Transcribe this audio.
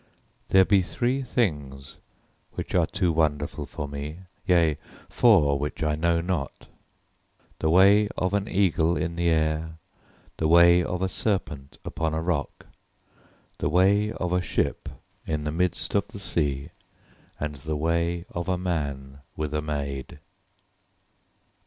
"There be three things which are too wonderful for me, yea, four which I know not: "The way of an eagle in the air; the way of a serpent upon a rock; the way of a ship in the midst of the sea; and the way of a man with a maid."